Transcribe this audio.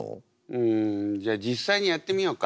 うんじゃあじっさいにやってみようか。